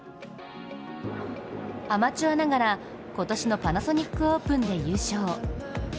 アマチュアながら今年のパナソニックオープンで優勝。